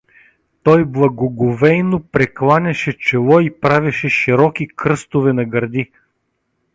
Той благоговейно прекланяше чело и правеше широки кръстове на гърди.